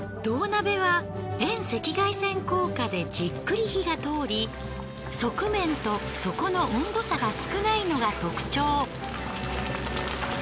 銅鍋は遠赤外線効果でじっくり火が通り側面と底の温度差が少ないのが特徴。